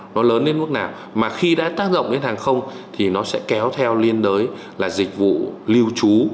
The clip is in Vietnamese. nó lớn đến mức nào mà khi đã tác động đến hàng không thì nó sẽ kéo theo liên đới là dịch vụ lưu trú